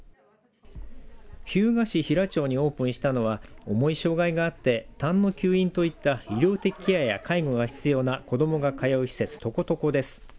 日向市比良町にオープンしたのは重い障害があってたんの吸引といった医療的ケアや介護が必要な子どもが通う施設ｔｏｋｏとこです。